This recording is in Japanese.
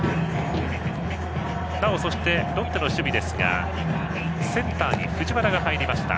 なお、ロッテの守備ですがセンターに藤原が入りました。